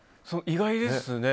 意外ですね。